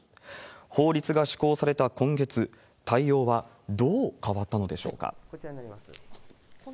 法律が施行された今月、対応はどう変わったのでしょうか。